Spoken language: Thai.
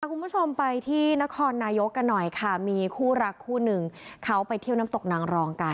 คุณผู้ชมไปที่นครนายกกันหน่อยค่ะมีคู่รักคู่หนึ่งเขาไปเที่ยวน้ำตกนางรองกัน